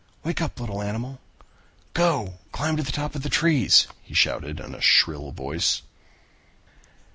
"Wake up, little animal. Go and climb to the top of the trees," he shouted in a shrill voice.